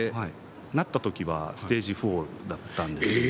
なった時はステージ４だったんですけど。